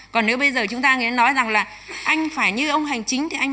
còn nếu bây giờ chúng ta nghĩ đến nói rằng là anh phải như ông hành chính